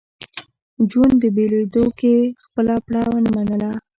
جون په بېلېدو کې خپله پړه نه منله